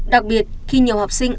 đặc biệt khi nhiều học sinh